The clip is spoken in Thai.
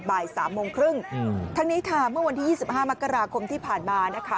บ่ายสามโมงครึ่งทั้งนี้ค่ะเมื่อวันที่๒๕มกราคมที่ผ่านมานะคะ